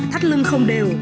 thắt lưng không đều